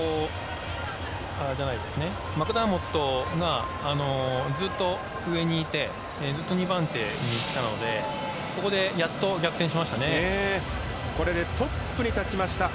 マクダーモットがずっと上にいてずっと２番手にいたのでここでやっと逆転しましたね。